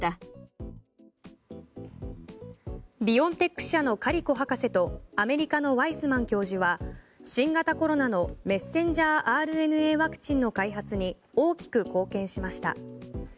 ビオンテック社のカリコ博士とアメリカのワイスマン教授は新型コロナのｍＲＮＡワクチンの開発に大きく貢献しました。